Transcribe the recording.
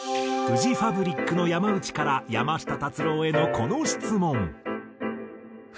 フジファブリックの山内から山下達郎へのこの質問。